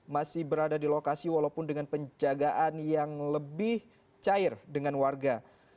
masih berada di lokasi walaupun dengan penjagaan yang lebih cair dengan warga